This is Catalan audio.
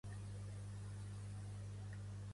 I Podem què vol?